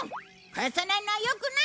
返さないのはよくない！